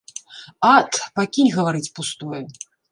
Ат, пакінь гаварыць пустое.